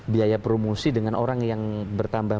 biaya promosi dengan orang yang bertambah